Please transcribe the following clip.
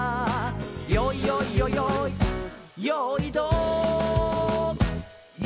「よいよいよよい